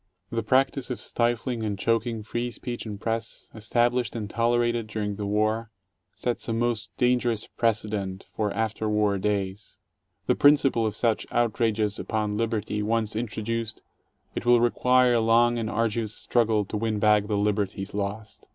The practice of stifling and choking free speech and press, established and tolerated during the war, sets a most dangerous precedent for after war days. The principle of such outrages upon liberty once introduced, it will require a long and arduous struggle to win back the liberties lost.